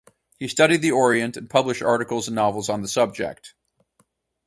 He studied the Orient, and published articles and novels on the subject.